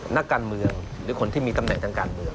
นักการเมืองหรือคนที่มีตำแหน่งทางการเมือง